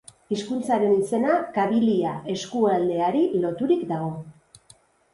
Hizkuntzaren izena Kabilia eskualdeari loturik dago.